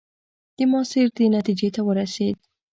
ماسیر دې نتیجې ته ورسېد.